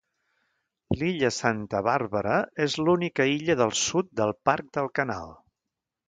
L'illa Santa Bàrbara és l'única illa del sud del Parc del Canal.